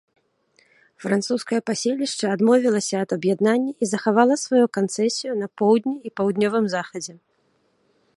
Французскае паселішча адмовілася ад аб'яднання м захавала сваю канцэсію на поўдні і паўднёвым захадзе.